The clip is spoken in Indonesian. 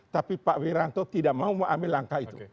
tapi pak wiranto tidak mau mengambil langkah itu